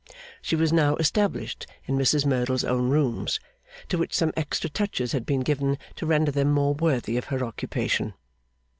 She was now established in Mrs Merdle's own rooms, to which some extra touches had been given to render them more worthy of her occupation.